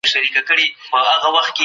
بايد د يو بل په کلتور او رواجونو پوه سو.